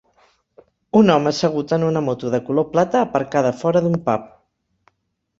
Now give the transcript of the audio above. Un home assegut en una moto de color plata, aparcada fora d'un pub.